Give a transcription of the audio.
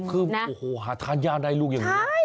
คือโอ้โหหาทานยากได้ลูกอย่างนี้